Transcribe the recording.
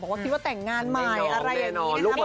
ว่าคิดว่าแต่งงานใหม่อะไรอย่างนี้นะครับ